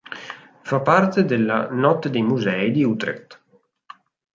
Fa parte della Notte dei Musei di Utrecht.